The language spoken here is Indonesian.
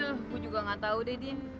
aduh gue juga gak tau deh din